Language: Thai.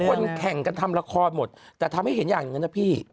คนแข่งกันทำละครหมดแต่ทำให้เห็นอย่างนั้นนะพี่